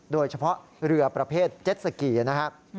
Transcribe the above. โดยเฉพาะเรือประเภทเจ็ดสกีนะครับ